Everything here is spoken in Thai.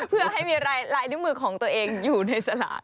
เพื่อให้มีลายนิ้วมือของตัวเองอยู่ในสลาก